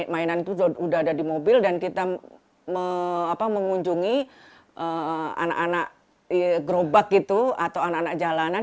mainan itu sudah ada di mobil dan kita mengunjungi anak anak gerobak gitu atau anak anak jalanan